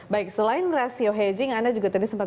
baik selain rasio hedging anda juga tadi sempat